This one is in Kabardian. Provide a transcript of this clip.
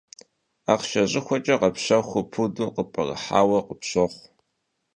Ахъшэ щӏыхуэкӏэ къэпщэхур пуду къыпӏэрыхьауэ къыпщохъу.